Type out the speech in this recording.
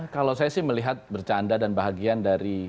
kalau saya sih melihat bercanda dan bahagian dari